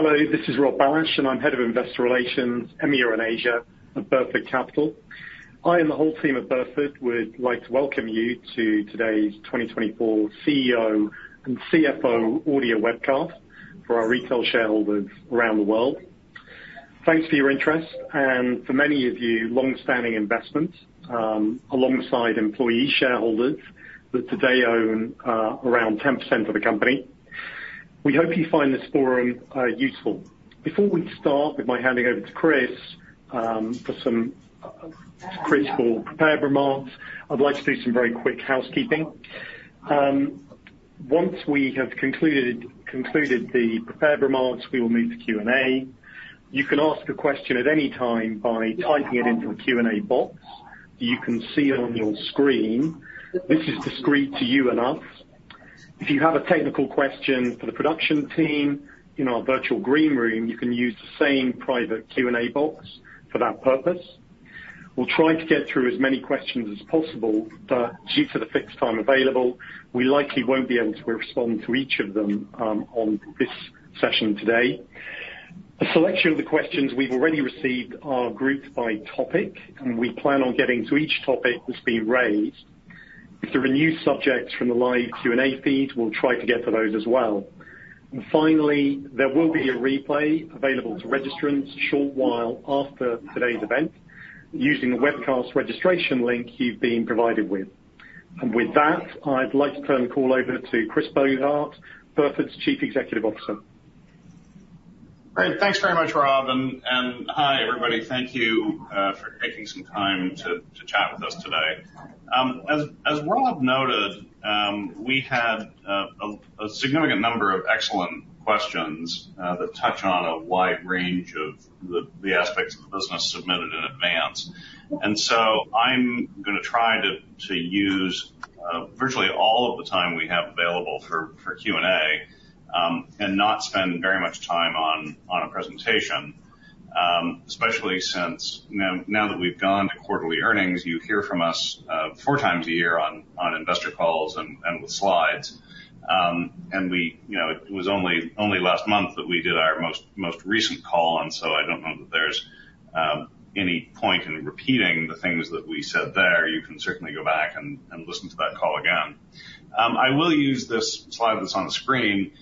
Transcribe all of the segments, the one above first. Hello, this is Rob Bailhache, and I'm Head of Investor Relations, EMEA and Asia at Burford Capital. I and the whole team at Burford would like to welcome you to today's 2024 CEO and CFO audio webcast for our retail shareholders around the world. Thanks for your interest, and for many of you, long-standing investments, alongside employee shareholders that today own around 10% of the company. We hope you find this forum useful. Before we start with my handing over to Chris for some critical prepared remarks, I'd like to do some very quick housekeeping. Once we have concluded the prepared remarks, we will move to Q&A. You can ask a question at any time by typing it into the Q&A box that you can see on your screen. This is discreet to you and us. If you have a technical question for the production team in our virtual green room, you can use the same private Q&A box for that purpose. We'll try to get through as many questions as possible, but due to the fixed time available, we likely won't be able to respond to each of them on this session today. The selection of the questions we've already received are grouped by topic, and we plan on getting to each topic that's been raised. If there are new subjects from the live Q&A feed, we'll try to get to those as well. And finally, there will be a replay available to registrants a short while after today's event using the webcast registration link you've been provided with. And with that, I'd like to turn the call over to Chris Bogart, Burford's Chief Executive Officer. Great. Thanks very much, Rob. And hi, everybody. Thank you for taking some time to chat with us today. As Rob noted, we had a significant number of excellent questions that touch on a wide range of the aspects of the business submitted in advance. And so I'm going to try to use virtually all of the time we have available for Q&A and not spend very much time on a presentation, especially since now that we've gone to quarterly earnings, you hear from us four times a year on investor calls and with slides. And it was only last month that we did our most recent call, and so I don't know that there's any point in repeating the things that we said there. You can certainly go back and listen to that call again. I will use this slide that's on the screen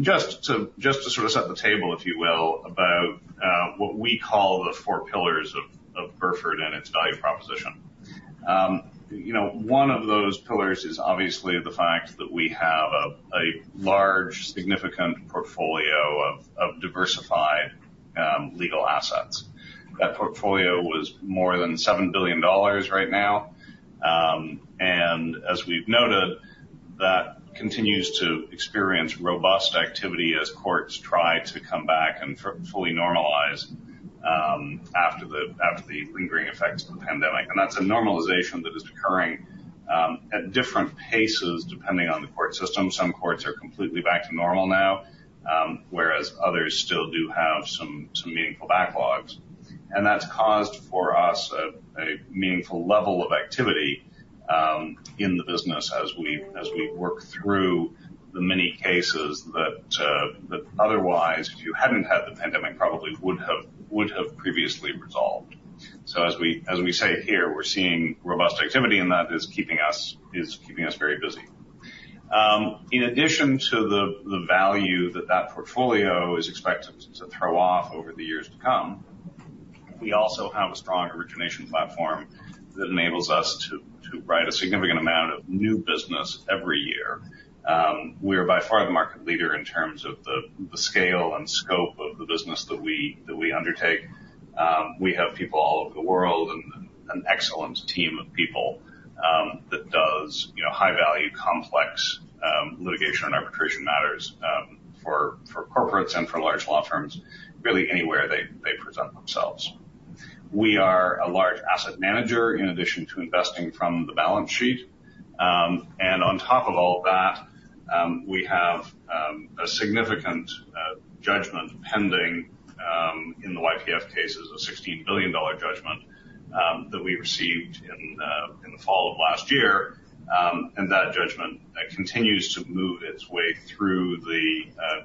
just to sort of set the table, if you will, about what we call the four pillars of Burford and its value proposition. One of those pillars is obviously the fact that we have a large, significant portfolio of diversified legal assets. That portfolio was more than $7 billion right now. And as we've noted, that continues to experience robust activity as courts try to come back and fully normalize after the lingering effects of the pandemic. And that's a normalization that is occurring at different paces depending on the court system. Some courts are completely back to normal now, whereas others still do have some meaningful backlogs. And that's caused for us a meaningful level of activity in the business as we work through the many cases that otherwise, if you hadn't had the pandemic, probably would have previously resolved. So as we say here, we're seeing robust activity, and that is keeping us very busy. In addition to the value that that portfolio is expected to throw off over the years to come, we also have a strong origination platform that enables us to write a significant amount of new business every year. We are by far the market leader in terms of the scale and scope of the business that we undertake. We have people all over the world and an excellent team of people that does high-value, complex litigation and arbitration matters for corporates and for large law firms really anywhere they present themselves. We are a large asset manager in addition to investing from the balance sheet. And on top of all that, we have a significant judgment pending in the YPF cases, a $16 billion judgment that we received in the fall of last year. That judgment continues to move its way through the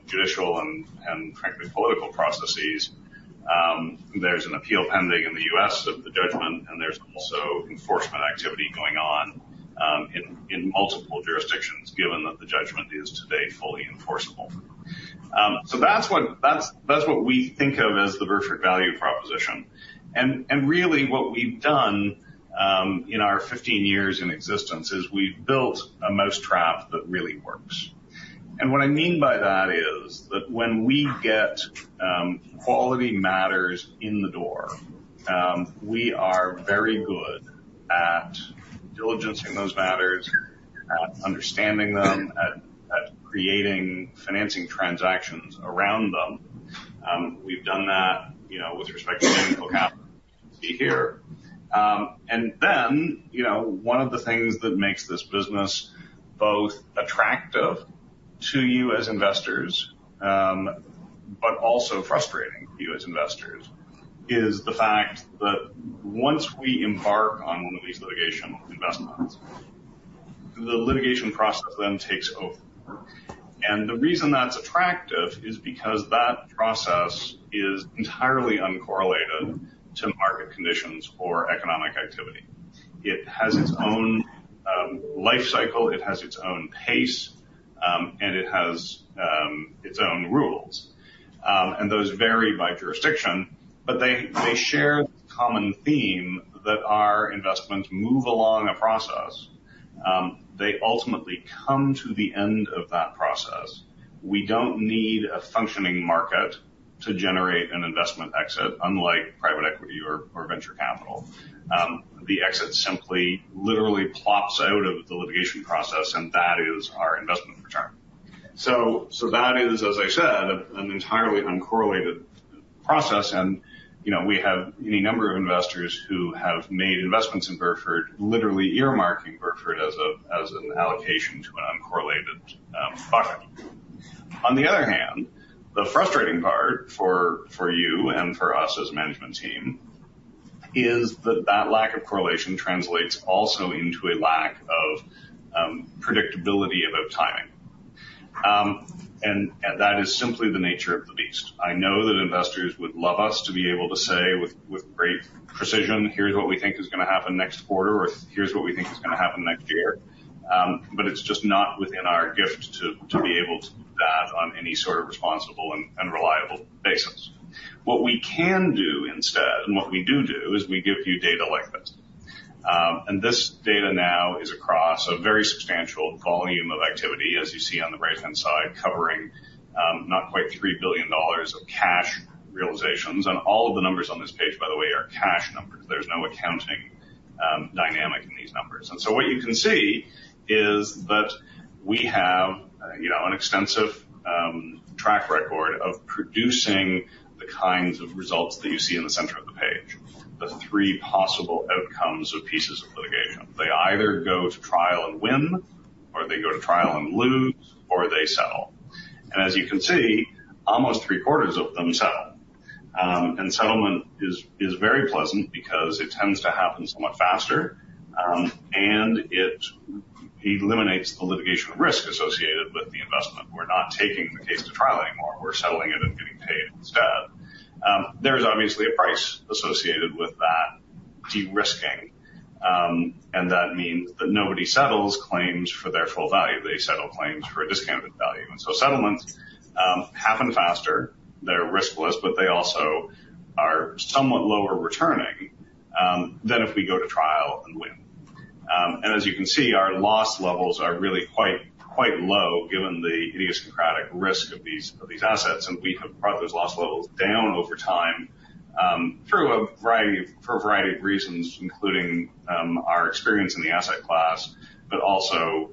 judicial and, frankly, political processes. There's an appeal pending in the U.S. of the judgment, and there's also enforcement activity going on in multiple jurisdictions, given that the judgment is today fully enforceable. That's what we think of as the Burford value proposition. Really, what we've done in our 15 years in existence is we've built a mousetrap that really works. What I mean by that is that when we get quality matters in the door, we are very good at diligencing those matters, at understanding them, at creating financing transactions around them. We've done that with respect to technical capital you can see here. And then one of the things that makes this business both attractive to you as investors, but also frustrating to you as investors, is the fact that once we embark on one of these litigation investments, the litigation process then takes over. And the reason that's attractive is because that process is entirely uncorrelated to market conditions or economic activity. It has its own life cycle. It has its own pace, and it has its own rules. And those vary by jurisdiction, but they share the common theme that our investments move along a process. They ultimately come to the end of that process. We don't need a functioning market to generate an investment exit, unlike private equity or venture capital. The exit simply literally plops out of the litigation process, and that is our investment return. So that is, as I said, an entirely uncorrelated process. We have any number of investors who have made investments in Burford, literally earmarking Burford as an allocation to an uncorrelated bucket. On the other hand, the frustrating part for you and for us as a management team is that that lack of correlation translates also into a lack of predictability about timing. That is simply the nature of the beast. I know that investors would love us to be able to say with great precision, "Here's what we think is going to happen next quarter," or, "Here's what we think is going to happen next year." But it's just not within our gift to be able to do that on any sort of responsible and reliable basis. What we can do instead, and what we do do, is we give you data like this. This data now is across a very substantial volume of activity, as you see on the right-hand side, covering not quite $3 billion of cash realizations. All of the numbers on this page, by the way, are cash numbers. There's no accounting dynamic in these numbers. So what you can see is that we have an extensive track record of producing the kinds of results that you see in the center of the page, the three possible outcomes of pieces of litigation. They either go to trial and win, or they go to trial and lose, or they settle. As you can see, almost three-quarters of them settle. Settlement is very pleasant because it tends to happen somewhat faster, and it eliminates the litigation risk associated with the investment. We're not taking the case to trial anymore. We're settling it and getting paid instead. There's obviously a price associated with that de-risking. And that means that nobody settles claims for their full value. They settle claims for a discounted value. And so settlements happen faster. They're riskless, but they also are somewhat lower returning than if we go to trial and win. And as you can see, our loss levels are really quite low, given the idiosyncratic risk of these assets. And we have brought those loss levels down over time for a variety of reasons, including our experience in the asset class, but also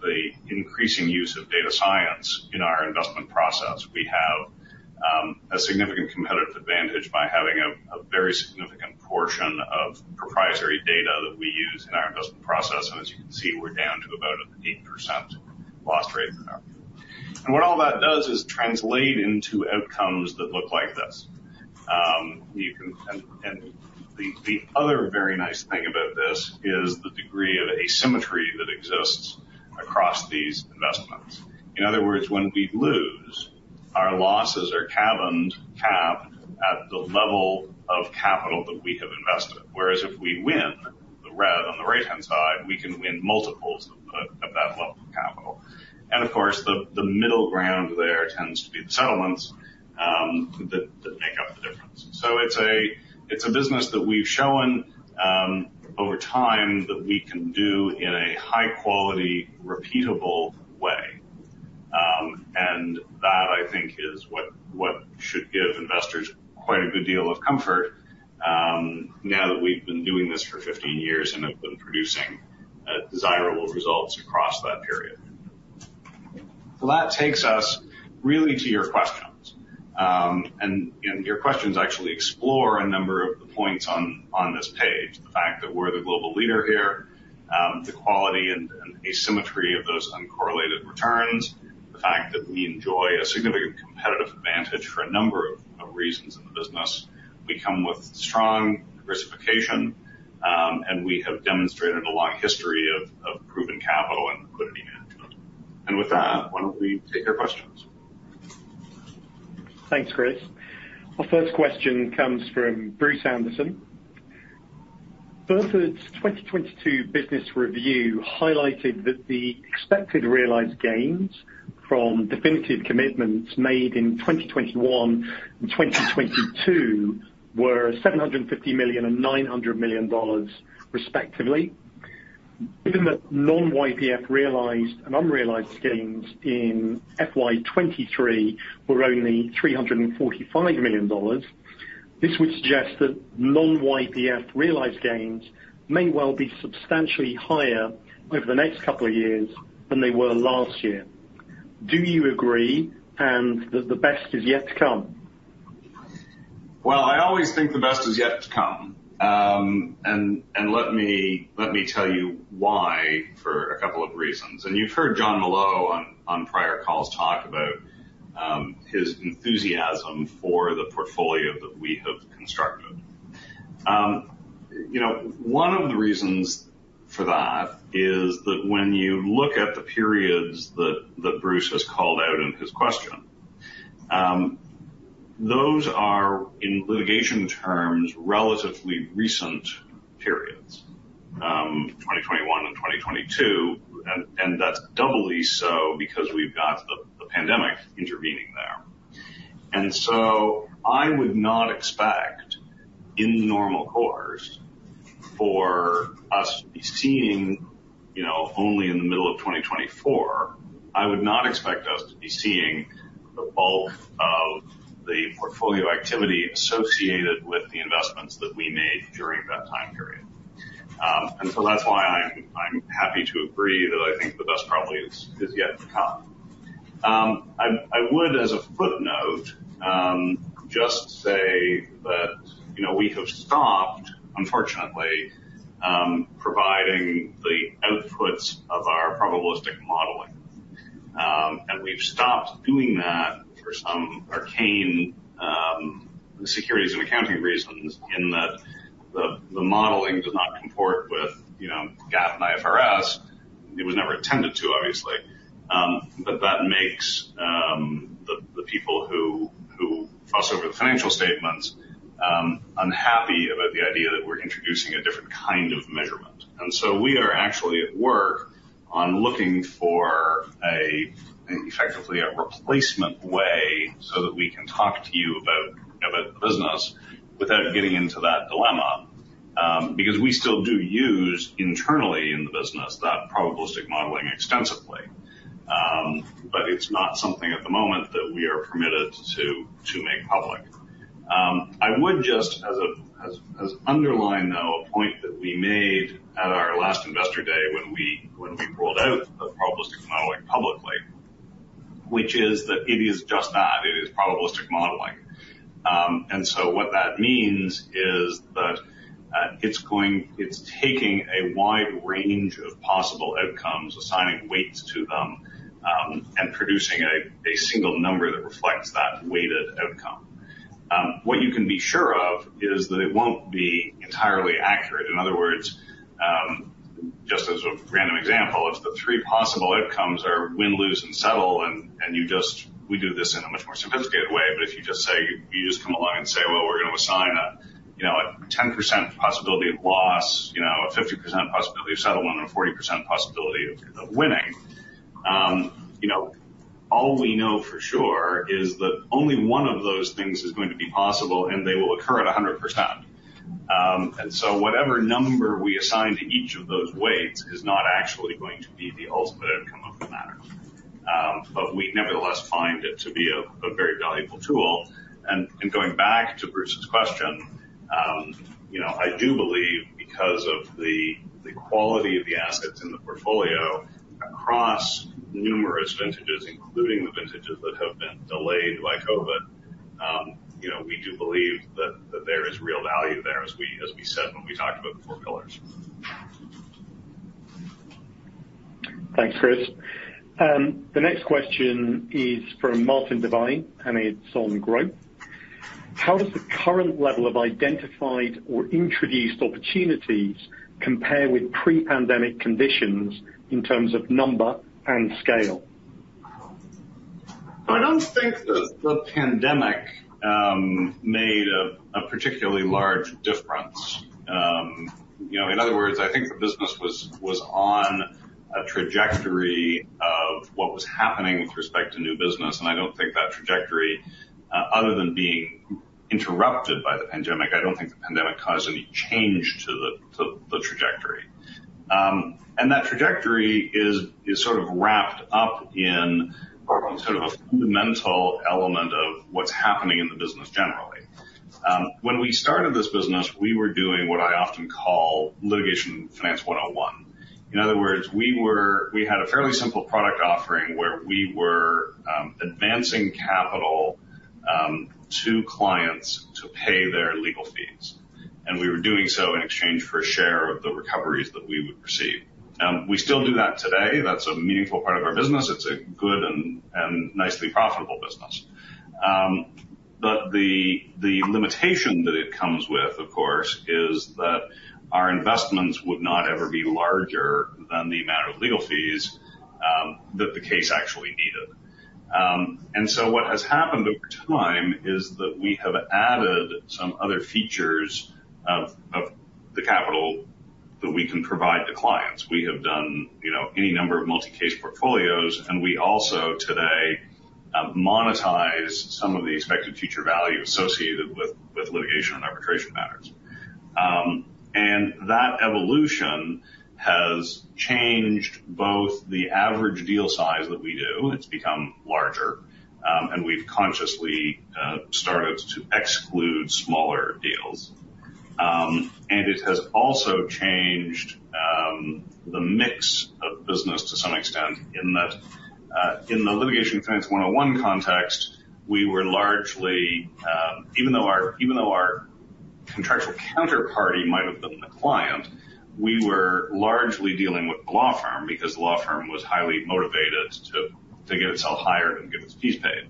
the increasing use of data science in our investment process. We have a significant competitive advantage by having a very significant portion of proprietary data that we use in our investment process. And as you can see, we're down to about an 8% loss rate there. And what all that does is translate into outcomes that look like this. The other very nice thing about this is the degree of asymmetry that exists across these investments. In other words, when we lose, our losses are cabined at the level of capital that we have invested. Whereas if we win, the red on the right-hand side, we can win multiples of that level of capital. And of course, the middle ground there tends to be the settlements that make up the difference. So it's a business that we've shown over time that we can do in a high-quality, repeatable way. And that, I think, is what should give investors quite a good deal of comfort now that we've been doing this for 15 years and have been producing desirable results across that period. So that takes us really to your questions. And your questions actually explore a number of the points on this page, the fact that we're the global leader here, the quality and asymmetry of those uncorrelated returns, the fact that we enjoy a significant competitive advantage for a number of reasons in the business. We come with strong diversification, and we have demonstrated a long history of proven capital and liquidity management. And with that, why don't we take our questions? Thanks, Chris. Our first question comes from Bruce Anderson. Burford's 2022 business review highlighted that the expected realized gains from definitive commitments made in 2021 and 2022 were $750 million and $900 million, respectively. Given that non-YPF realized and unrealized gains in FY23 were only $345 million, this would suggest that non-YPF realized gains may well be substantially higher over the next couple of years than they were last year. Do you agree and that the best is yet to come? I always think the best is yet to come. Let me tell you why for a couple of reasons. You've heard John Molot on prior calls talk about his enthusiasm for the portfolio that we have constructed. One of the reasons for that is that when you look at the periods that Bruce has called out in his question, those are, in litigation terms, relatively recent periods, 2021 and 2022. That's doubly so because we've got the pandemic intervening there. I would not expect, in normal course, for us to be seeing only in the middle of 2024. I would not expect us to be seeing the bulk of the portfolio activity associated with the investments that we made during that time period. That's why I'm happy to agree that I think the best probably is yet to come. I would, as a footnote, just say that we have stopped, unfortunately, providing the outputs of our probabilistic modeling. And we've stopped doing that for some arcane securities and accounting reasons in that the modeling does not comport with GAAP and IFRS. It was never intended to, obviously. But that makes the people who fuss over the financial statements unhappy about the idea that we're introducing a different kind of measurement. And so we are actually at work on looking for effectively a replacement way so that we can talk to you about the business without getting into that dilemma. Because we still do use internally in the business that probabilistic modeling extensively. But it's not something at the moment that we are permitted to make public. I would just like to underline, though, a point that we made at our last Investor Day when we rolled out the Probabilistic Modeling publicly, which is that it is just that. It is probabilistic modeling. And so what that means is that it's taking a wide range of possible outcomes, assigning weights to them, and producing a single number that reflects that weighted outcome. What you can be sure of is that it won't be entirely accurate. In other words, just as a random example, if the three possible outcomes are win, lose, and settle, and we do this in a much more sophisticated way, but if you just come along and say, "Well, we're going to assign a 10% possibility of loss, a 50% possibility of settlement, and a 40% possibility of winning," all we know for sure is that only one of those things is going to be possible, and they will occur at 100%. And so whatever number we assign to each of those weights is not actually going to be the ultimate outcome of the matter. But we nevertheless find it to be a very valuable tool. Going back to Bruce's question, I do believe because of the quality of the assets in the portfolio across numerous vintages, including the vintages that have been delayed by COVID, we do believe that there is real value there, as we said when we talked about the four pillars. Thanks, Chris. The next question is from Martin Devine and Ed Sawn-Grow. How does the current level of identified or introduced opportunities compare with pre-pandemic conditions in terms of number and scale? I don't think that the pandemic made a particularly large difference. In other words, I think the business was on a trajectory of what was happening with respect to new business. And I don't think that trajectory, other than being interrupted by the pandemic, I don't think the pandemic caused any change to the trajectory. And that trajectory is sort of wrapped up in sort of a fundamental element of what's happening in the business generally. When we started this business, we were doing what I often call litigation finance 101. In other words, we had a fairly simple product offering where we were advancing capital to clients to pay their legal fees. And we were doing so in exchange for a share of the recoveries that we would receive. We still do that today. That's a meaningful part of our business. It's a good and nicely profitable business. But the limitation that it comes with, of course, is that our investments would not ever be larger than the amount of legal fees that the case actually needed. And so what has happened over time is that we have added some other features of the capital that we can provide to clients. We have done any number of multi-case portfolios, and we also today monetize some of the expected future value associated with litigation and arbitration matters. And that evolution has changed both the average deal size that we do. It's become larger, and we've consciously started to exclude smaller deals. And it has also changed the mix of business to some extent in that in the litigation finance 101 context, we were largely, even though our contractual counterparty might have been the client, we were largely dealing with the law firm because the law firm was highly motivated to get itself hired and get its fees paid.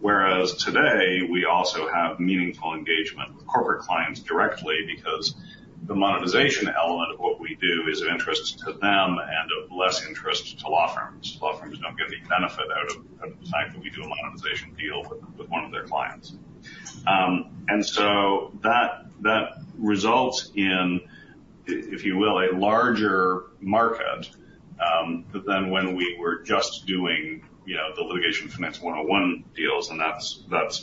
Whereas today, we also have meaningful engagement with corporate clients directly because the monetization element of what we do is of interest to them and of less interest to law firms. Law firms don't get any benefit out of the fact that we do a monetization deal with one of their clients. And so that results in, if you will, a larger market than when we were just doing the litigation finance 101 deals. And that's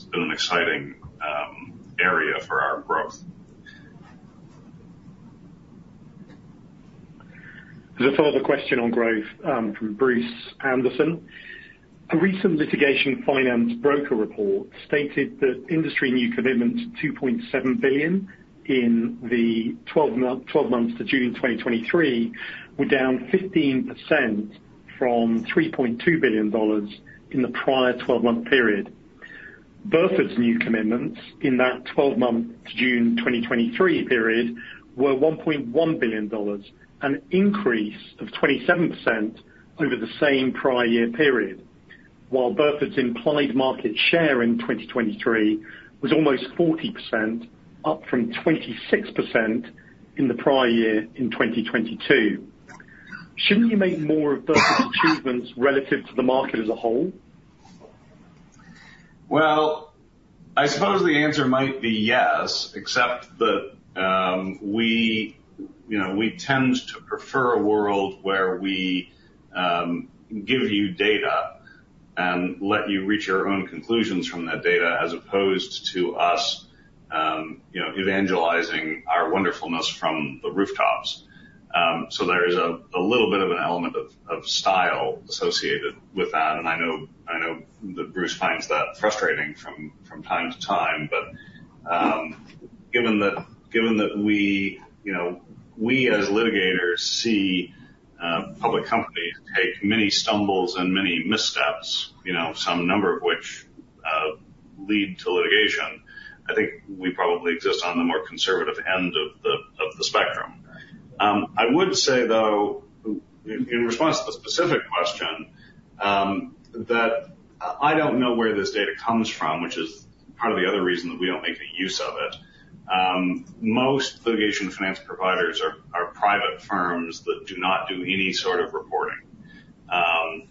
been an exciting area for our growth. A further question on growth from Bruce Anderson. A recent litigation finance broker report stated that industry new commitments of $2.7 billion in the 12 months to June 2023 were down 15% from $3.2 billion in the prior 12-month period. Burford's new commitments in that 12-month to June 2023 period were $1.1 billion, an increase of 27% over the same prior year period, while Burford's implied market share in 2023 was almost 40%, up from 26% in the prior year in 2022. Shouldn't you make more of Burford's achievements relative to the market as a whole? I suppose the answer might be yes, except that we tend to prefer a world where we give you data and let you reach your own conclusions from that data as opposed to us evangelizing our wonderfulness from the rooftops. So there is a little bit of an element of style associated with that. And I know that Bruce finds that frustrating from time to time. But given that we, as litigators, see public companies take many stumbles and many missteps, some number of which lead to litigation, I think we probably exist on the more conservative end of the spectrum. I would say, though, in response to the specific question, that I don't know where this data comes from, which is part of the other reason that we don't make any use of it. Most litigation finance providers are private firms that do not do any sort of reporting.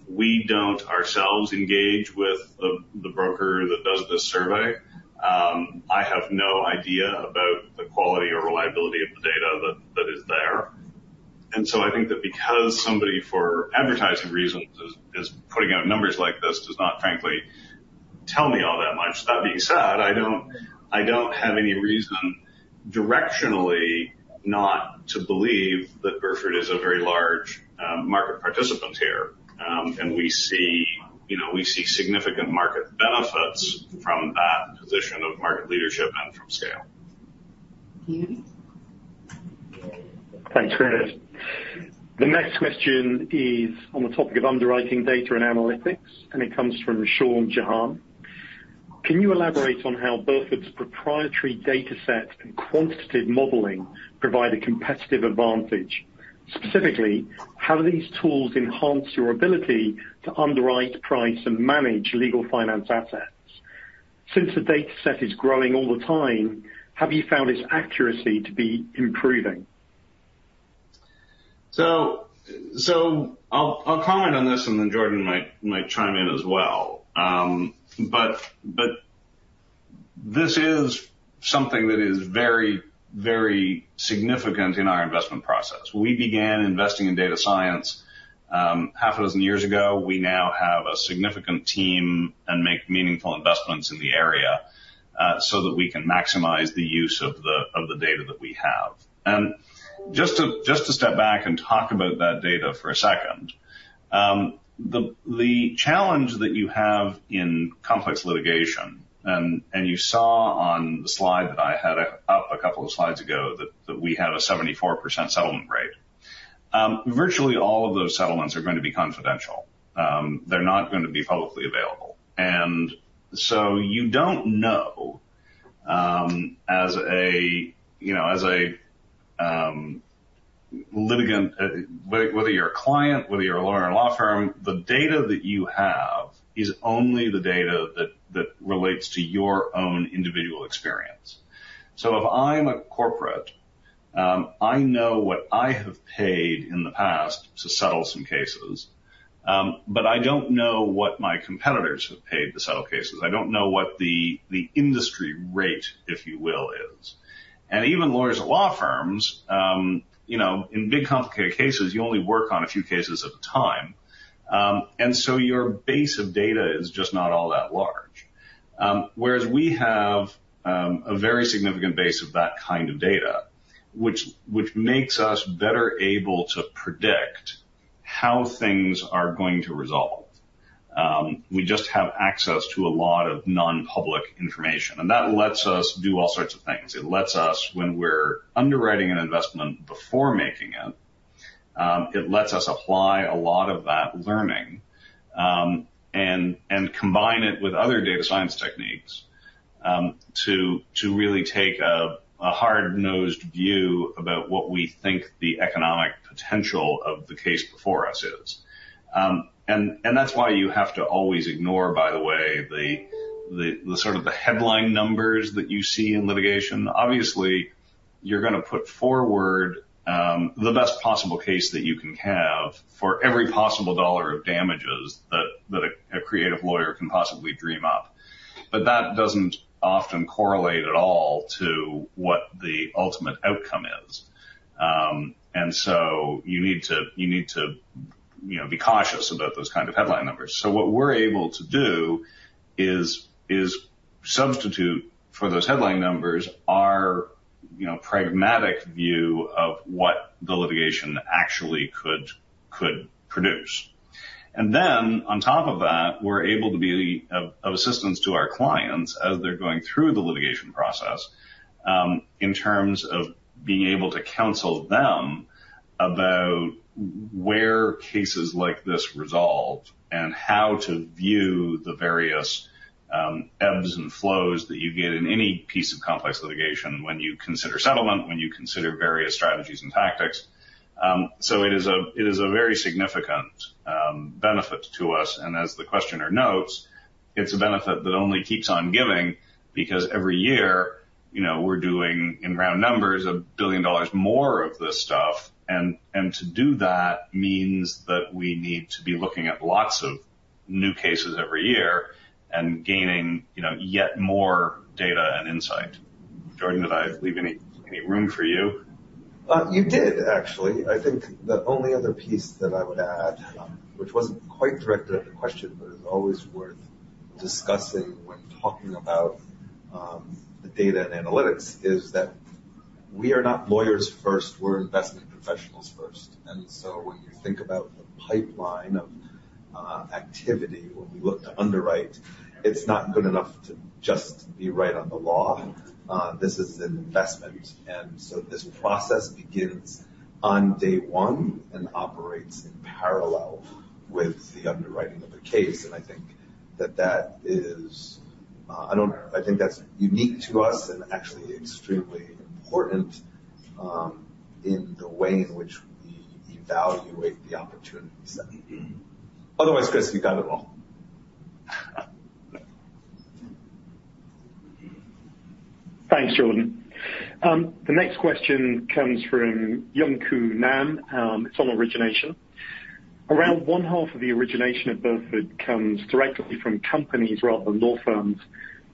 We don't ourselves engage with the broker that does this survey. I have no idea about the quality or reliability of the data that is there, and so I think that because somebody, for advertising reasons, is putting out numbers like this does not, frankly, tell me all that much. That being said, I don't have any reason directionally not to believe that Burford is a very large market participant here, and we see significant market benefits from that position of market leadership and from scale. Thanks, Chris. The next question is on the topic of underwriting data and analytics, and it comes from Sean Jahan. Can you elaborate on how Burford's proprietary dataset and quantitative modeling provide a competitive advantage? Specifically, how do these tools enhance your ability to underwrite, price, and manage legal finance assets? Since the dataset is growing all the time, have you found its accuracy to be improving? So I'll comment on this, and then Jordan might chime in as well. But this is something that is very, very significant in our investment process. We began investing in data science half a dozen years ago. We now have a significant team and make meaningful investments in the area so that we can maximize the use of the data that we have. And just to step back and talk about that data for a second, the challenge that you have in complex litigation, and you saw on the slide that I had up a couple of slides ago that we had a 74% settlement rate. Virtually all of those settlements are going to be confidential. They're not going to be publicly available. And so you don't know, as a litigant, whether you're a client, whether you're a lawyer or a law firm, the data that you have is only the data that relates to your own individual experience. So if I'm a corporate, I know what I have paid in the past to settle some cases. But I don't know what my competitors have paid to settle cases. I don't know what the industry rate, if you will, is. And even lawyers at law firms, in big complicated cases, you only work on a few cases at a time. And so your base of data is just not all that large. Whereas we have a very significant base of that kind of data, which makes us better able to predict how things are going to resolve. We just have access to a lot of non-public information. And that lets us do all sorts of things. It lets us, when we're underwriting an investment before making it, it lets us apply a lot of that learning and combine it with other data science techniques to really take a hard-nosed view about what we think the economic potential of the case before us is. And that's why you have to always ignore, by the way, sort of the headline numbers that you see in litigation. Obviously, you're going to put forward the best possible case that you can have for every possible dollar of damages that a creative lawyer can possibly dream up. But that doesn't often correlate at all to what the ultimate outcome is. And so you need to be cautious about those kinds of headline numbers. So what we're able to do is substitute for those headline numbers our pragmatic view of what the litigation actually could produce. And then, on top of that, we're able to be of assistance to our clients as they're going through the litigation process in terms of being able to counsel them about where cases like this resolve and how to view the various ebbs and flows that you get in any piece of complex litigation when you consider settlement, when you consider various strategies and tactics. So it is a very significant benefit to us. And as the questioner notes, it's a benefit that only keeps on giving because every year we're doing, in round numbers, $1 billion more of this stuff. And to do that means that we need to be looking at lots of new cases every year and gaining yet more data and insight. Jordan, did I leave any room for you? You did, actually. I think the only other piece that I would add, which wasn't quite directed at the question, but is always worth discussing when talking about the data and analytics, is that we are not lawyers first. We're investment professionals first. And so when you think about the pipeline of activity, when we look to underwrite, it's not good enough to just be right on the law. This is an investment. And so this process begins on day one and operates in parallel with the underwriting of the case. And I think that that is, I think that's unique to us and actually extremely important in the way in which we evaluate the opportunities that. Otherwise, Chris, you got it all. Thanks, Jordan. The next question comes from Yongku Nan. It's on origination. Around one half of the origination at Burford comes directly from companies rather than law firms.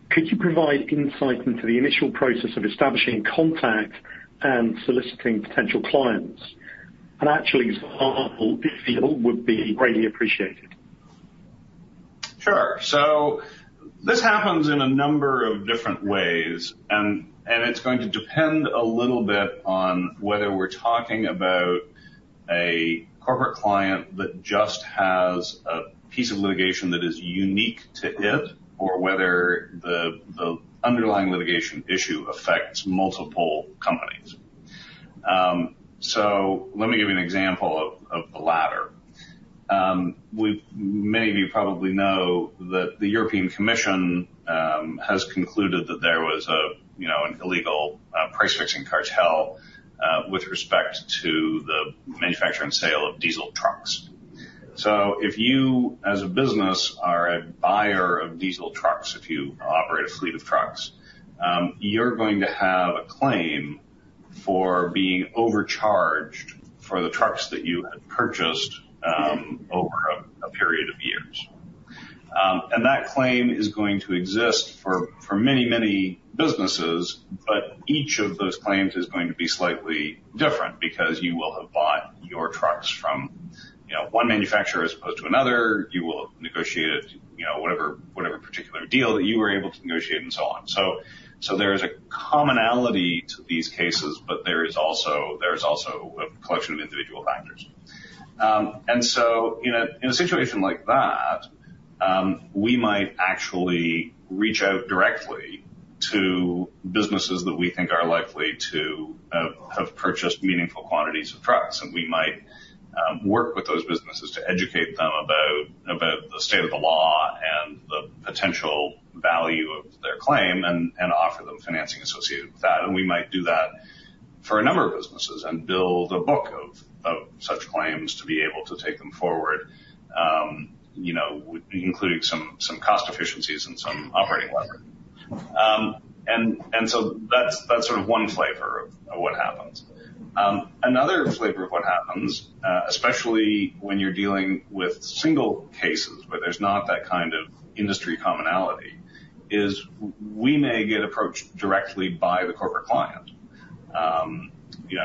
Could you provide insight into the initial process of establishing contact and soliciting potential clients? An actual example would be greatly appreciated. Sure, so this happens in a number of different ways, and it's going to depend a little bit on whether we're talking about a corporate client that just has a piece of litigation that is unique to it or whether the underlying litigation issue affects multiple companies, so let me give you an example of the latter. Many of you probably know that the European Commission has concluded that there was an illegal price-fixing cartel with respect to the manufacture and sale of diesel trucks. So if you, as a business, are a buyer of diesel trucks, if you operate a fleet of trucks, you're going to have a claim for being overcharged for the trucks that you had purchased over a period of years, and that claim is going to exist for many, many businesses. But each of those claims is going to be slightly different because you will have bought your trucks from one manufacturer as opposed to another. You will have negotiated whatever particular deal that you were able to negotiate and so on. So there is a commonality to these cases, but there is also a collection of individual factors. And so in a situation like that, we might actually reach out directly to businesses that we think are likely to have purchased meaningful quantities of trucks. And we might work with those businesses to educate them about the state of the law and the potential value of their claim and offer them financing associated with that. And we might do that for a number of businesses and build a book of such claims to be able to take them forward, including some cost efficiencies and some operating leverage. And so that's sort of one flavor of what happens. Another flavor of what happens, especially when you're dealing with single cases where there's not that kind of industry commonality, is we may get approached directly by the corporate client.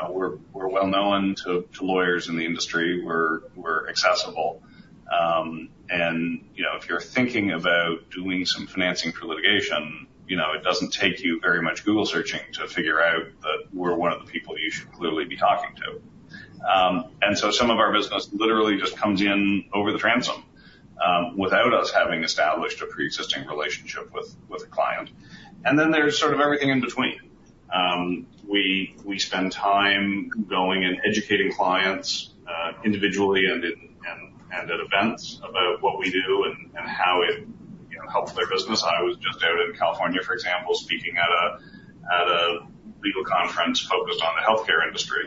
We're well-known to lawyers in the industry. We're accessible. And if you're thinking about doing some financing for litigation, it doesn't take you very much Google searching to figure out that we're one of the people you should clearly be talking to. And so some of our business literally just comes in over the transom without us having established a pre-existing relationship with a client. And then there's sort of everything in between. We spend time going and educating clients individually and at events about what we do and how it helps their business. I was just out in California, for example, speaking at a legal conference focused on the healthcare industry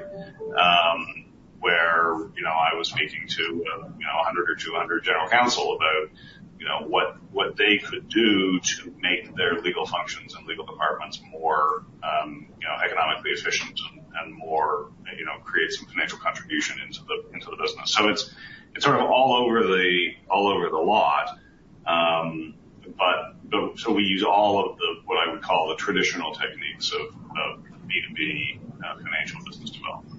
where I was speaking to 100 or 200 general counsel about what they could do to make their legal functions and legal departments more economically efficient and create some financial contribution into the business, so it's sort of all over the lot, but so we use all of what I would call the traditional techniques of B2B financial business development.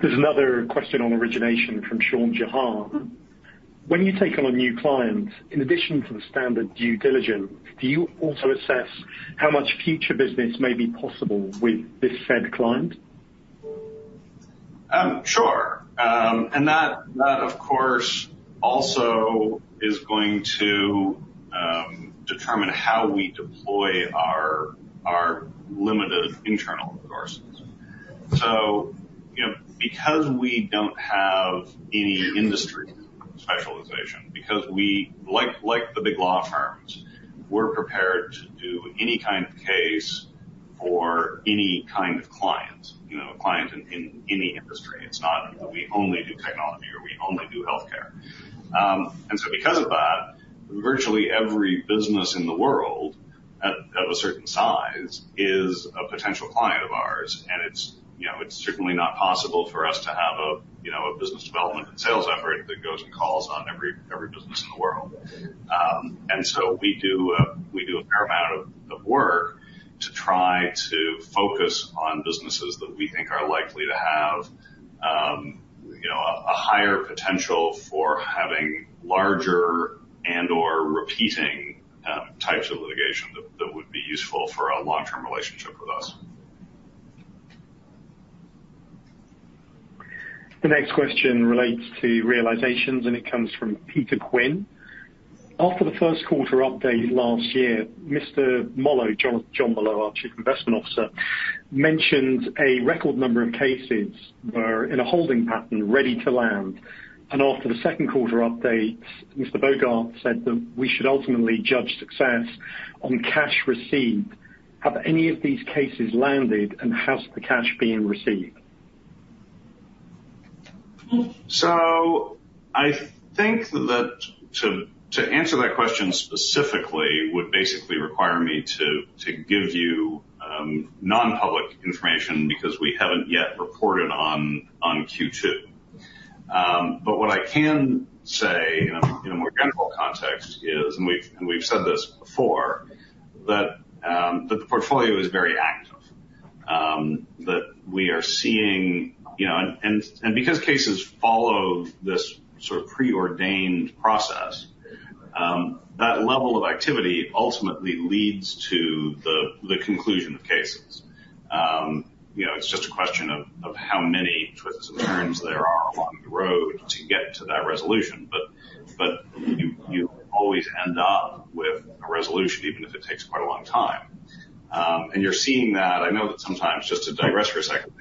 There's another question on origination from Sean Jahan. When you take on a new client, in addition to the standard due diligence, do you also assess how much future business may be possible with this said client? Sure. And that, of course, also is going to determine how we deploy our limited internal resources. So because we don't have any industry specialization, because we like the big law firms, we're prepared to do any kind of case for any kind of client, a client in any industry. It's not we only do technology or we only do healthcare. And so because of that, virtually every business in the world of a certain size is a potential client of ours. And it's certainly not possible for us to have a business development and sales effort that goes and calls on every business in the world. And so we do a fair amount of work to try to focus on businesses that we think are likely to have a higher potential for having larger and/or repeating types of litigation that would be useful for a long-term relationship with us. The next question relates to realizations, and it comes from Peter Quinn. After the first quarter update last year, Mr. Molot, John Molot, our Chief Investment Officer, mentioned a record number of cases were in a holding pattern ready to land, and after the second quarter update, Mr. Bogart said that we should ultimately judge success on cash received. Have any of these cases landed, and has the cash been received? So I think that to answer that question specifically would basically require me to give you non-public information because we haven't yet reported on Q2. But what I can say in a more general context is, and we've said this before, that the portfolio is very active, that we are seeing, and because cases follow this sort of preordained process, that level of activity ultimately leads to the conclusion of cases. It's just a question of how many twists and turns there are along the road to get to that resolution. But you always end up with a resolution, even if it takes quite a long time. And you're seeing that. I know that sometimes, just to digress for a second,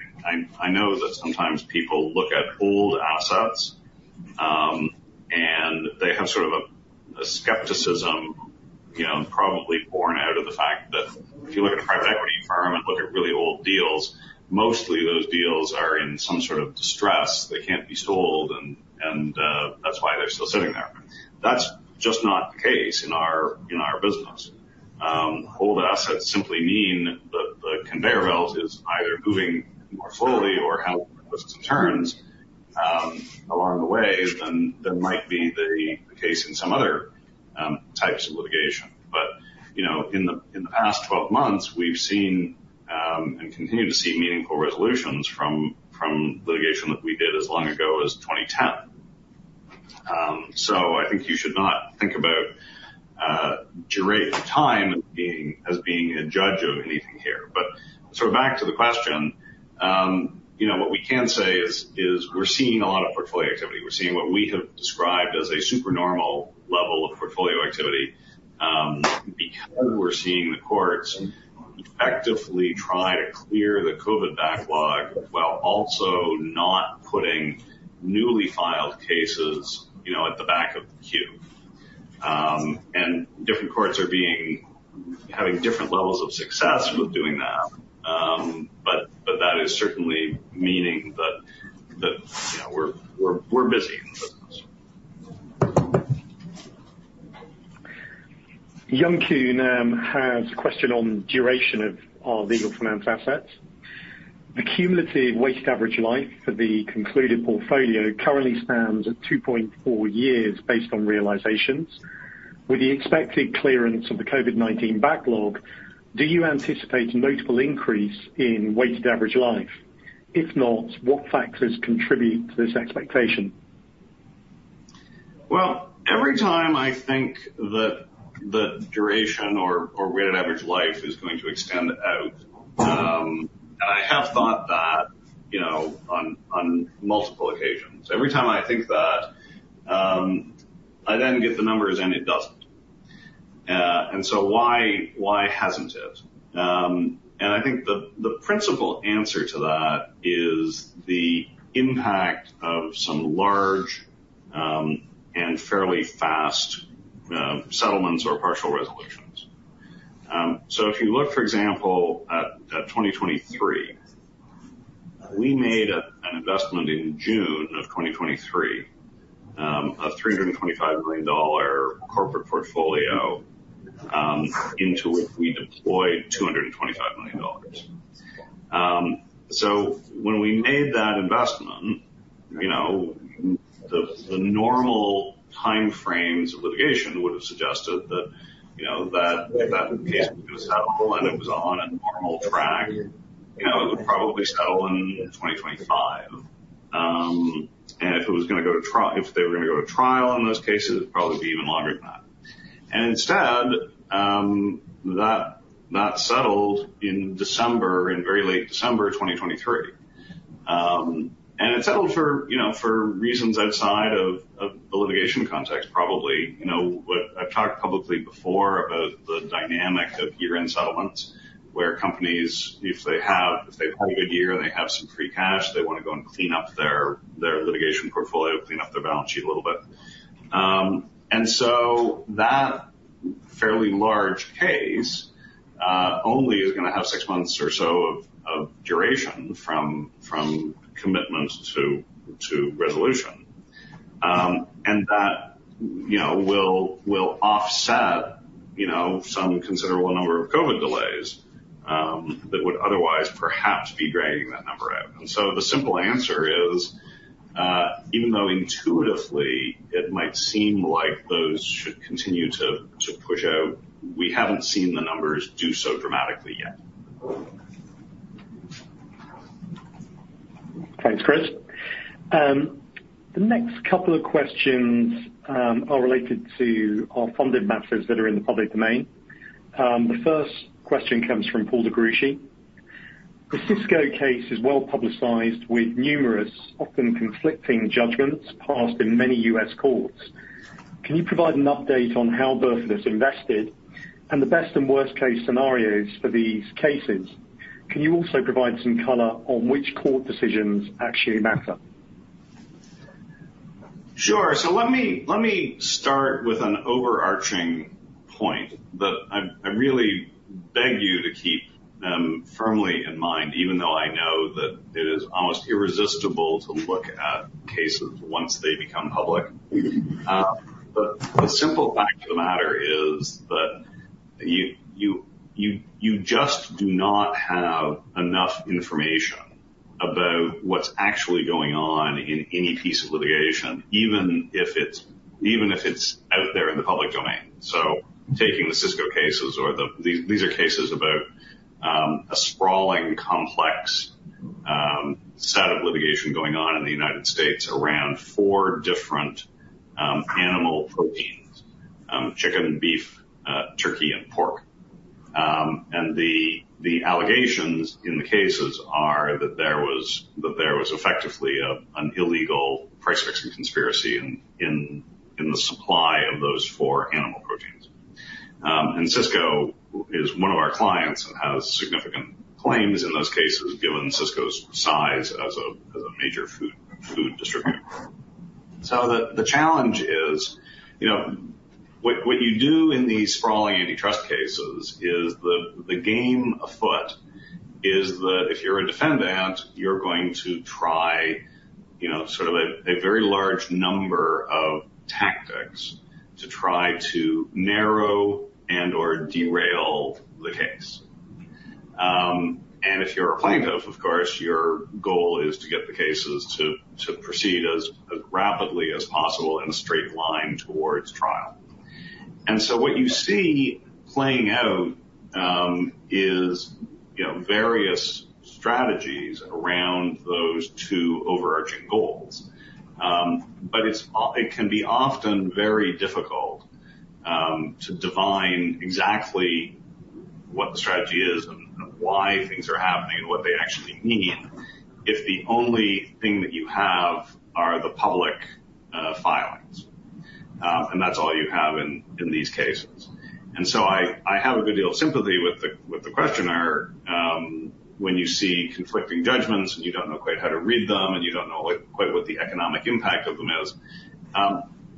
I know that sometimes people look at old assets, and they have sort of a skepticism probably born out of the fact that if you look at a private equity firm and look at really old deals, mostly those deals are in some sort of distress. They can't be sold, and that's why they're still sitting there. That's just not the case in our business. Old assets simply mean that the conveyor belt is either moving more slowly or has more twists and turns along the way than might be the case in some other types of litigation. But in the past 12 months, we've seen and continue to see meaningful resolutions from litigation that we did as long ago as 2010. So I think you should not think about duration of time as being a judge of anything here. But sort of back to the question, what we can say is we're seeing a lot of portfolio activity. We're seeing what we have described as a supernormal level of portfolio activity because we're seeing the courts effectively try to clear the COVID backlog while also not putting newly filed cases at the back of the queue. And different courts are having different levels of success with doing that. But that is certainly meaning that we're busy in the business. Yongku Nan has a question on duration of our legal finance assets. The cumulative weighted average life for the concluded portfolio currently stands at 2.4 years based on realizations. With the expected clearance of the COVID-19 backlog, do you anticipate a notable increase in weighted average life? If not, what factors contribute to this expectation? Well, every time I think that duration or weighted average life is going to extend out, and I have thought that on multiple occasions. Every time I think that, I then get the numbers, and it doesn't. And so why hasn't it? And I think the principal answer to that is the impact of some large and fairly fast settlements or partial resolutions. So if you look, for example, at 2023, we made an investment in June of 2023 of $325 million corporate portfolio into which we deployed $225 million. So when we made that investment, the normal timeframes of litigation would have suggested that that case was going to settle, and it was on a normal track. It would probably settle in 2025. And if it was going to go to trial, if they were going to go to trial in those cases, it'd probably be even longer than that. And instead, that settled in December, in very late December 2023. And it settled for reasons outside of the litigation context, probably. I've talked publicly before about the dynamic of year-end settlements where companies, if they've had a good year and they have some free cash, they want to go and clean up their litigation portfolio, clean up their balance sheet a little bit. And so that fairly large case only is going to have six months or so of duration from commitment to resolution. And that will offset some considerable number of COVID delays that would otherwise perhaps be dragging that number out. And so the simple answer is, even though intuitively it might seem like those should continue to push out, we haven't seen the numbers do so dramatically yet. Thanks, Chris. The next couple of questions are related to our funded matters that are in the public domain. The first question comes from Paul de Gruchy. The Sysco case is well publicized with numerous, often conflicting judgments passed in many U.S. courts. Can you provide an update on how Burford has invested and the best and worst-case scenarios for these cases? Can you also provide some color on which court decisions actually matter? Sure. So let me start with an overarching point that I really beg you to keep firmly in mind, even though I know that it is almost irresistible to look at cases once they become public. But the simple fact of the matter is that you just do not have enough information about what's actually going on in any piece of litigation, even if it's out there in the public domain. So taking the Sysco cases, these are cases about a sprawling complex set of litigation going on in the United States around four different animal proteins: chicken, beef, turkey, and pork. And the allegations in the cases are that there was effectively an illegal price fixing conspiracy in the supply of those four animal proteins. And Sysco is one of our clients and has significant claims in those cases, given Sysco's size as a major food distributor. So the challenge is what you do in these sprawling antitrust cases is the game afoot is that if you're a defendant, you're going to try sort of a very large number of tactics to try to narrow and/or derail the case. And if you're a plaintiff, of course, your goal is to get the cases to proceed as rapidly as possible in a straight line towards trial. And so what you see playing out is various strategies around those two overarching goals. But it can be often very difficult to divine exactly what the strategy is and why things are happening and what they actually mean if the only thing that you have are the public filings. And that's all you have in these cases. And so I have a good deal of sympathy with the questioner when you see conflicting judgments and you don't know quite how to read them and you don't know quite what the economic impact of them is.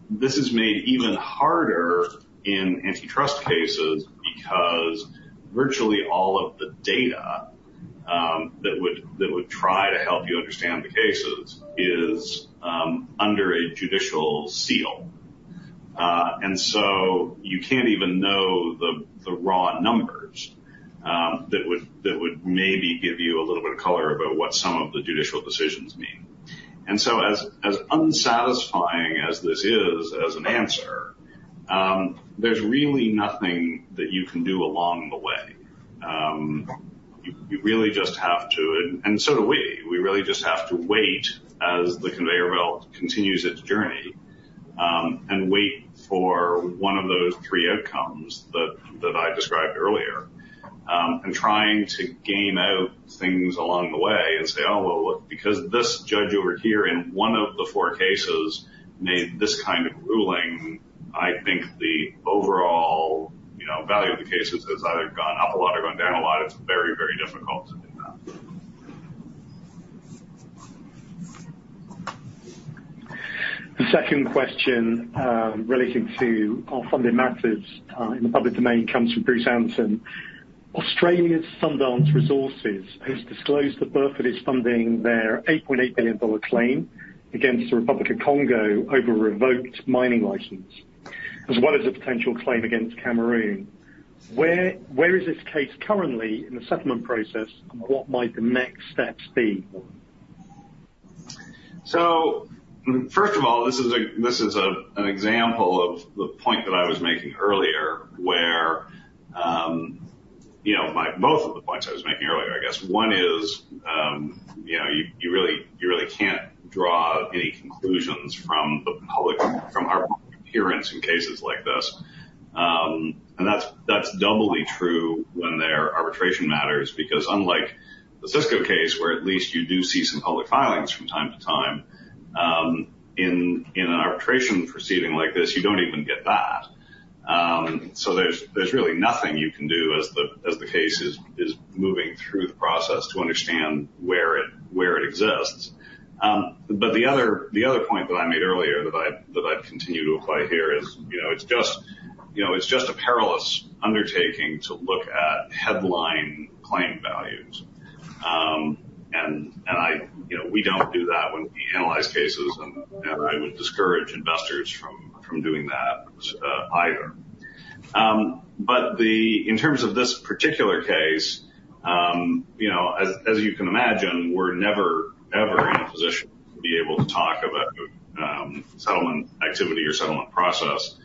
This is made even harder in antitrust cases because virtually all of the data that would try to help you understand the cases is under a judicial seal. And so you can't even know the raw numbers that would maybe give you a little bit of color about what some of the judicial decisions mean. And so as unsatisfying as this is as an answer, there's really nothing that you can do along the way. You really just have to, and so do we. We really just have to wait as the conveyor belt continues its journey and wait for one of those three outcomes that I described earlier. Trying to game out things along the way and say, "Oh, well, look, because this judge over here in one of the four cases made this kind of ruling, I think the overall value of the cases has either gone up a lot or gone down a lot." It's very, very difficult to do that. The second question relating to our funded matters in the public domain comes from Bruce Anderson. Australia's Sundance Resources has disclosed that Burford is funding their $8.8 billion claim against the Republic of the Congo over a revoked mining license, as well as a potential claim against Cameroon. Where is this case currently in the settlement process, and what might the next steps be? So first of all, this is an example of the point that I was making earlier where both of the points I was making earlier, I guess. One is you really can't draw any conclusions from our appearance in cases like this. And that's doubly true when there are arbitration matters because unlike the Sysco case, where at least you do see some public filings from time to time, in an arbitration proceeding like this, you don't even get that. So there's really nothing you can do as the case is moving through the process to understand where it exists. But the other point that I made earlier that I'd continue to apply here is it's just a perilous undertaking to look at headline claim values. And we don't do that when we analyze cases, and I would discourage investors from doing that either. But in terms of this particular case, as you can imagine, we're never, ever in a position to be able to talk about settlement activity or settlement process,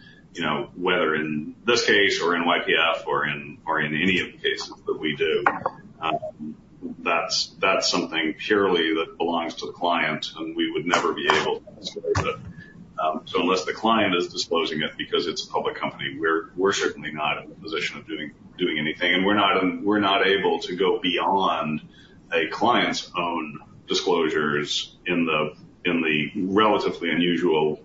whether in this case or in YPF or in any of the cases that we do. That's something purely that belongs to the client, and we would never be able to disclose it. So unless the client is disclosing it because it's a public company, we're certainly not in a position of doing anything. And we're not able to go beyond a client's own disclosures in the relatively unusual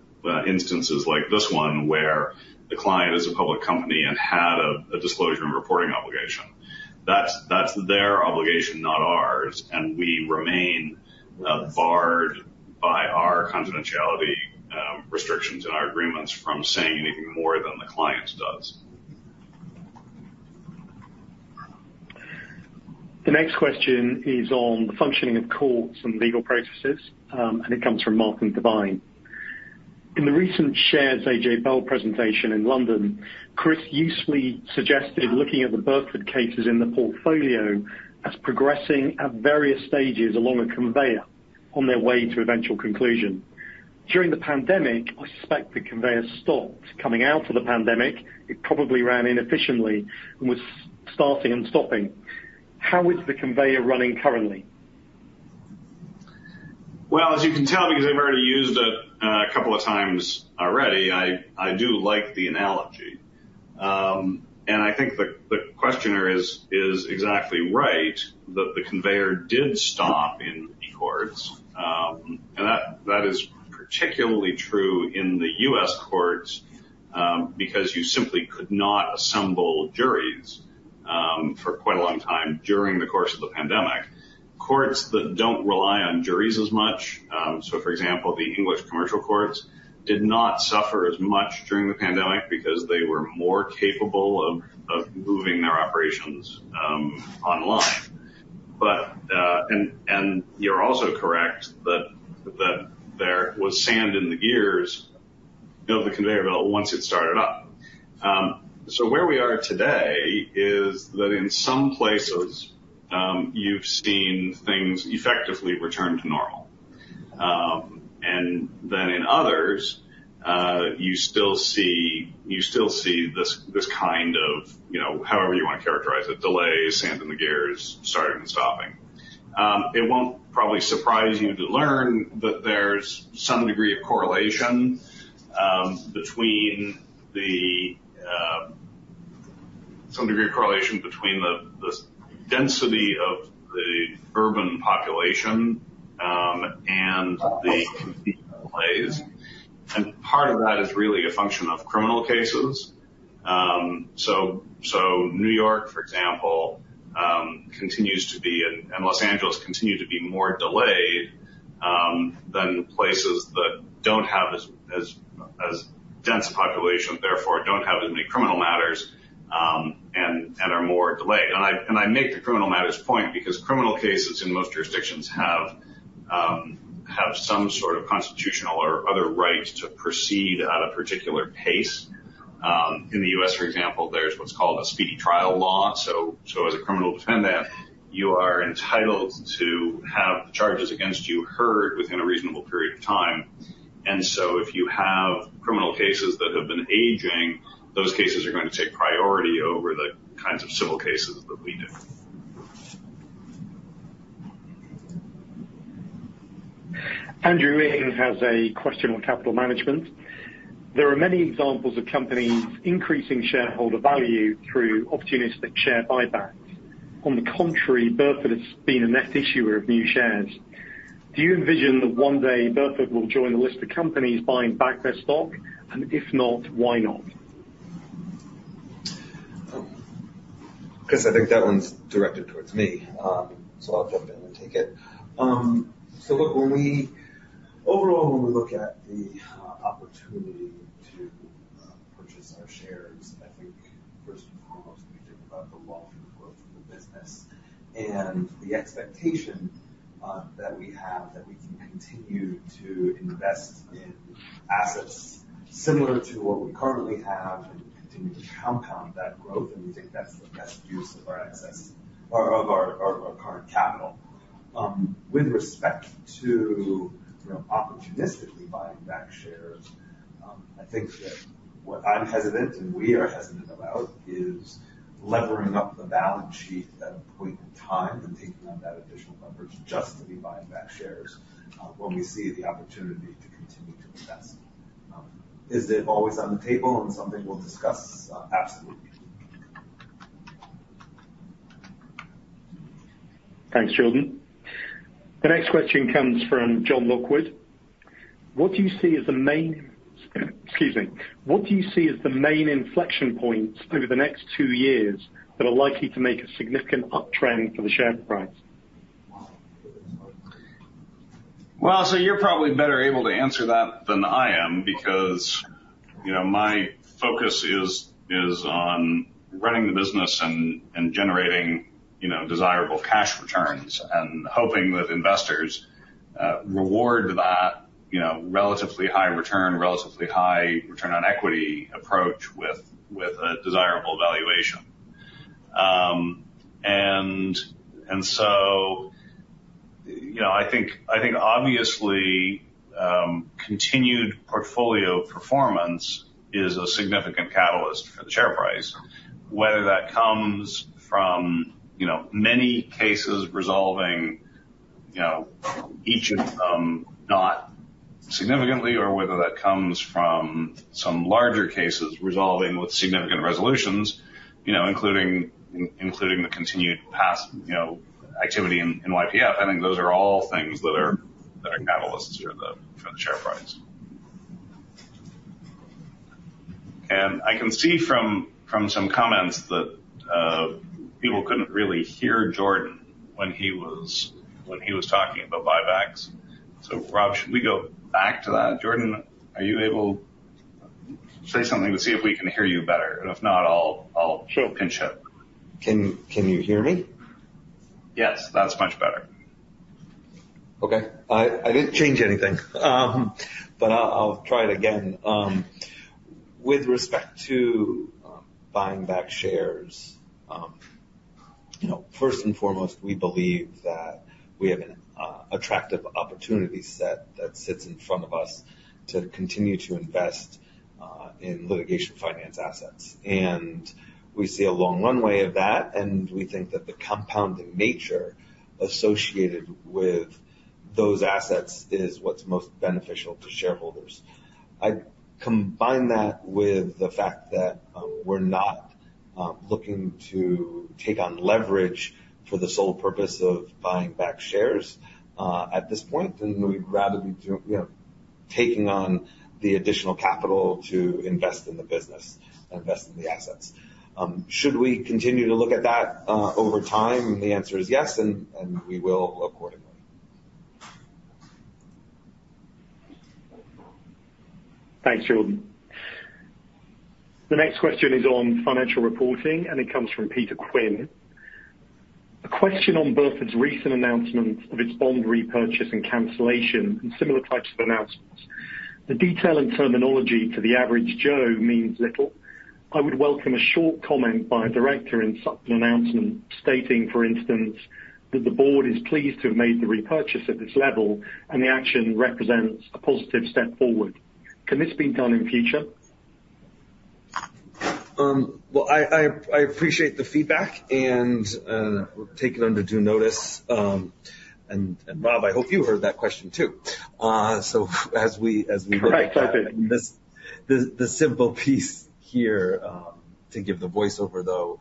instances like this one where the client is a public company and had a disclosure and reporting obligation. That's their obligation, not ours, and we remain barred by our confidentiality restrictions in our agreements from saying anything more than the client does. The next question is on the functioning of courts and legal processes, and it comes from Martin Devine. In the recent shareholders' A.J. Bell presentation in London, Chris usefully suggested looking at the Burford cases in the portfolio as progressing at various stages along a conveyor on their way to eventual conclusion. During the pandemic, I suspect the conveyor stopped. Coming out of the pandemic, it probably ran inefficiently and was starting and stopping. How is the conveyor running currently? Well, as you can tell, because I've already used it a couple of times already, I do like the analogy. And I think the questioner is exactly right that the conveyor did stop in many courts. And that is particularly true in the U.S. courts because you simply could not assemble juries for quite a long time during the course of the pandemic. Courts that don't rely on juries as much, so for example, the English Commercial Courts, did not suffer as much during the pandemic because they were more capable of moving their operations online. And you're also correct that there was sand in the gears of the conveyor belt once it started up. So where we are today is that in some places, you've seen things effectively return to normal. Then in others, you still see this kind of, however you want to characterize it, delay, sand in the gears, starting and stopping. It won't probably surprise you to learn that there's some degree of correlation between the density of the urban population and the delays. And part of that is really a function of criminal cases. So New York, for example, continues to be, and Los Angeles continued to be more delayed than places that don't have as dense a population, therefore don't have as many criminal matters and are more delayed. And I make the criminal matters point because criminal cases in most jurisdictions have some sort of constitutional or other right to proceed at a particular pace. In the U.S., for example, there's what's called a speedy trial law. So as a criminal defendant, you are entitled to have charges against you heard within a reasonable period of time. And so if you have criminal cases that have been aging, those cases are going to take priority over the kinds of civil cases that we do. Andrew Hayden has a question on capital management. There are many examples of companies increasing shareholder value through opportunistic share buybacks. On the contrary, Burford has been a net issuer of new shares. Do you envision that one day Burford will join the list of companies buying back their stock? And if not, why not? Chris, I think that one's directed towards me, so I'll jump in and take it. So look, overall, when we look at the opportunity to purchase our shares, I think first and foremost, we think about the long-term growth of the business and the expectation that we have that we can continue to invest in assets similar to what we currently have and continue to compound that growth. And we think that's the best use of our assets or of our current capital. With respect to opportunistically buying back shares, I think that what I'm hesitant and we are hesitant about is levering up the balance sheet at a point in time and taking on that additional leverage just to be buying back shares when we see the opportunity to continue to invest. Is it always on the table and something we'll discuss? Absolutely. Thanks, Jordan. The next question comes from John Lockwood. What do you see as the main inflection points over the next two years that are likely to make a significant uptrend for the share price? So you're probably better able to answer that than I am because my focus is on running the business and generating desirable cash returns and hoping that investors reward that relatively high return, relatively high return on equity approach with a desirable valuation. I think obviously continued portfolio performance is a significant catalyst for the share price, whether that comes from many cases resolving, each of them not significantly, or whether that comes from some larger cases resolving with significant resolutions, including the continued activity in YPF. I think those are all things that are catalysts for the share price. I can see from some comments that people couldn't really hear Jordan when he was talking about buybacks. Rob, should we go back to that? Jordan, are you able to say something to see if we can hear you better? And if not, I'll pinch it. Can you hear me? Yes, that's much better. Okay. I didn't change anything, but I'll try it again. With respect to buying back shares, first and foremost, we believe that we have an attractive opportunity set that sits in front of us to continue to invest in litigation finance assets. And we see a long runway of that, and we think that the compounding nature associated with those assets is what's most beneficial to shareholders. I combine that with the fact that we're not looking to take on leverage for the sole purpose of buying back shares at this point, and we'd rather be taking on the additional capital to invest in the business and invest in the assets. Should we continue to look at that over time? The answer is yes, and we will accordingly. Thanks, Jordan. The next question is on financial reporting, and it comes from Peter Quinn. A question on Burford's recent announcement of its bond repurchase and cancellation and similar types of announcements. The detail and terminology to the average Joe means little. I would welcome a short comment by a director in such an announcement stating, for instance, that the board is pleased to have made the repurchase at this level and the action represents a positive step forward. Can this be done in future? I appreciate the feedback and take it under due notice. Rob, I hope you heard that question too. As we went through the simple piece here to give the voiceover, though,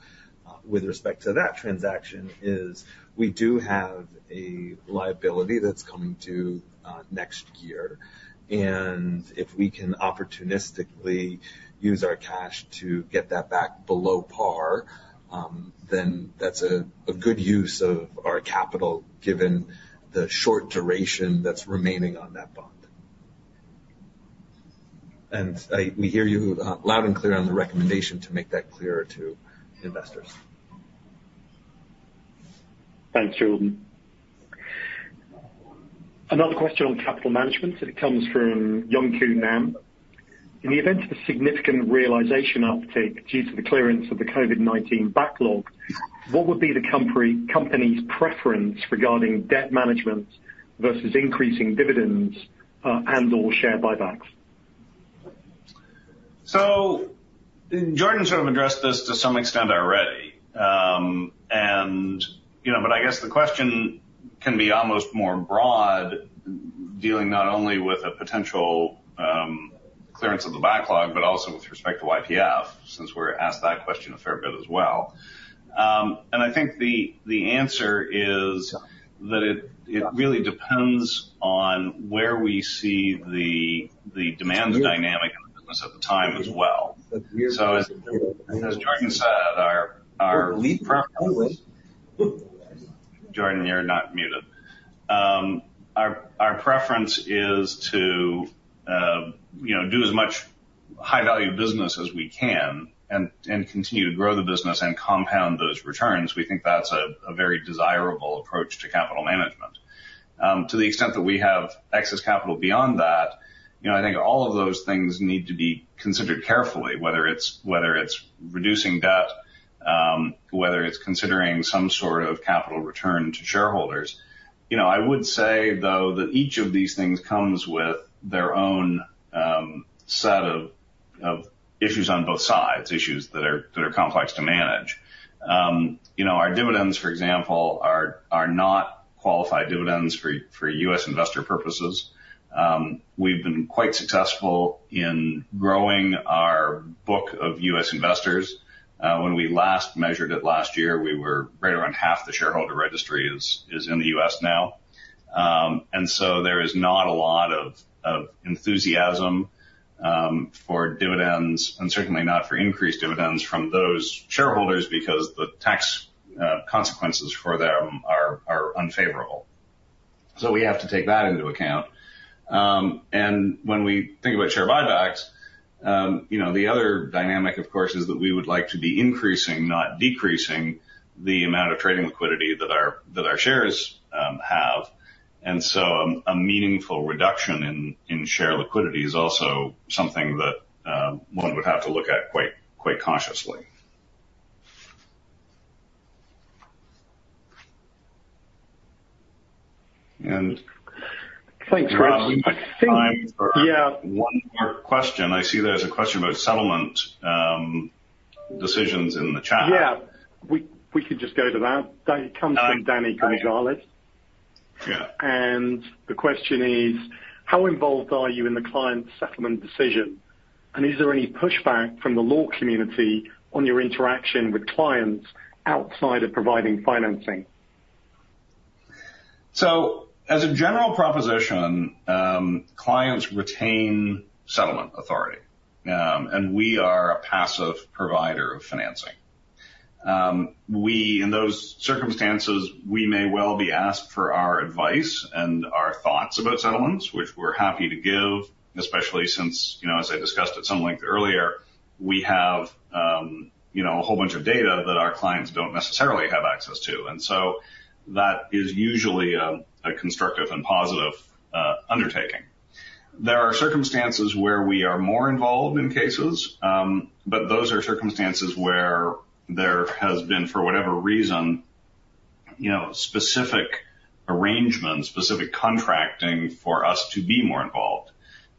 with respect to that transaction, we do have a liability that's coming due next year. If we can opportunistically use our cash to get that back below par, then that's a good use of our capital given the short duration that's remaining on that bond. We hear you loud and clear on the recommendation to make that clearer to investors. Thanks, Jordan. Another question on capital management. It comes from Yongku Nan. In the event of a significant realization uptick due to the clearance of the COVID-19 backlog, what would be the company's preference regarding debt management versus increasing dividends and/or share buybacks? So Jordan sort of addressed this to some extent already. But I guess the question can be almost more broad, dealing not only with a potential clearance of the backlog, but also with respect to YPF, since we're asked that question a fair bit as well. And I think the answer is that it really depends on where we see the demand dynamic in the business at the time as well. So as Jordan said, our— Jordan, you're not muted. Our preference is to do as much high-value business as we can and continue to grow the business and compound those returns. We think that's a very desirable approach to capital management. To the extent that we have excess capital beyond that, I think all of those things need to be considered carefully, whether it's reducing debt, whether it's considering some sort of capital return to shareholders. I would say, though, that each of these things comes with their own set of issues on both sides, issues that are complex to manage. Our dividends, for example, are not qualified dividends for U.S. investor purposes. We've been quite successful in growing our book of U.S. investors. When we last measured it last year, we were right around half the shareholder registry is in the U.S. now. And so there is not a lot of enthusiasm for dividends, and certainly not for increased dividends from those shareholders because the tax consequences for them are unfavorable. So we have to take that into account. And when we think about share buybacks, the other dynamic, of course, is that we would like to be increasing, not decreasing, the amount of trading liquidity that our shares have. And so a meaningful reduction in share liquidity is also something that one would have to look at quite cautiously. And. Thanks, Chris. Yeah. One more question. I see there's a question about settlement decisions in the chat. Yeah. We could just go to that. That comes from Danny Gonzales. And the question is, how involved are you in the client's settlement decision? And is there any pushback from the law community on your interaction with clients outside of providing financing? So as a general proposition, clients retain settlement authority, and we are a passive provider of financing. In those circumstances, we may well be asked for our advice and our thoughts about settlements, which we're happy to give, especially since, as I discussed at some length earlier, we have a whole bunch of data that our clients don't necessarily have access to. And so that is usually a constructive and positive undertaking. There are circumstances where we are more involved in cases, but those are circumstances where there has been, for whatever reason, specific arrangements, specific contracting for us to be more involved.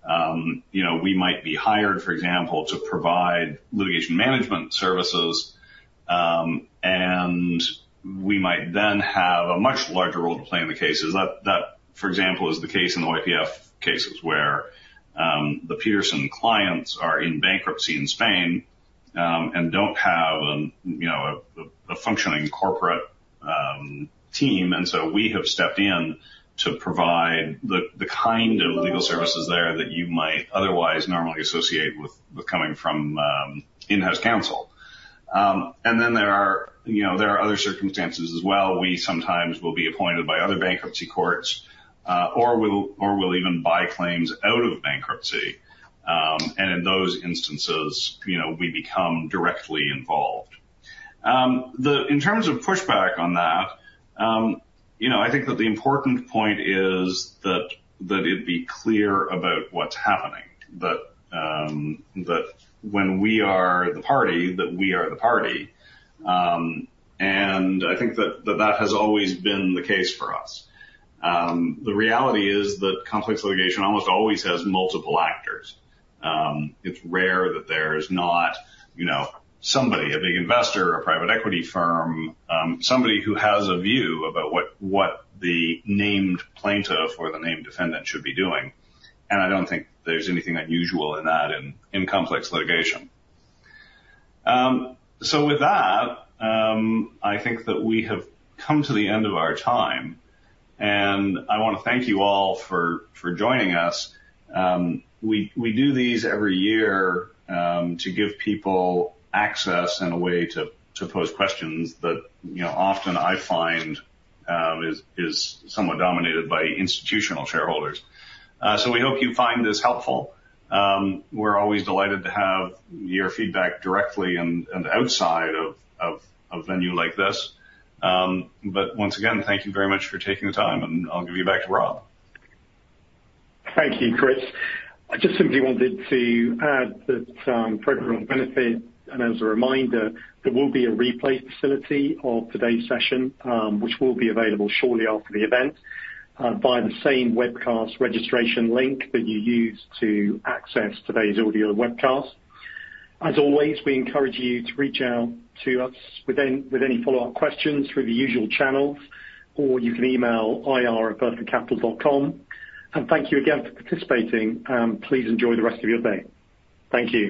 We might be hired, for example, to provide litigation management services, and we might then have a much larger role to play in the cases. That, for example, is the case in the YPF cases where the Petersen clients are in bankruptcy in Spain and don't have a functioning corporate team. And so we have stepped in to provide the kind of legal services there that you might otherwise normally associate with coming from in-house counsel. And then there are other circumstances as well. We sometimes will be appointed by other bankruptcy courts or will even buy claims out of bankruptcy. And in those instances, we become directly involved. In terms of pushback on that, I think that the important point is that it be clear about what's happening, that when we are the party, that we are the party. And I think that that has always been the case for us. The reality is that complex litigation almost always has multiple actors. It's rare that there is not somebody, a big investor, a private equity firm, somebody who has a view about what the named plaintiff or the named defendant should be doing. And I don't think there's anything unusual in that in complex litigation. So with that, I think that we have come to the end of our time, and I want to thank you all for joining us. We do these every year to give people access and a way to pose questions that often I find is somewhat dominated by institutional shareholders. So we hope you find this helpful. We're always delighted to have your feedback directly and outside of a venue like this. But once again, thank you very much for taking the time, and I'll give you back to Rob. Thank you, Chris. I just simply wanted to add that for everyone's benefit and as a reminder, there will be a replay facility of today's session, which will be available shortly after the event by the same webcast registration link that you use to access today's audio webcast. As always, we encourage you to reach out to us with any follow-up questions through the usual channels, or you can email ir@burfordcapital.com. And thank you again for participating, and please enjoy the rest of your day. Thank you.